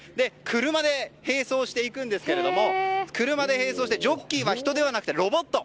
車で並走していくんですけどジョッキーは人ではなくてロボット。